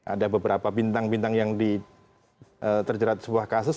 ada beberapa bintang bintang yang terjerat sebuah kasus